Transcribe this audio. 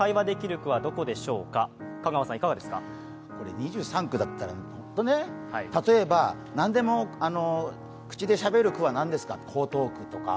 ２３区だったら、例えば何でも口でしゃべる区は何ですか、江東区とか。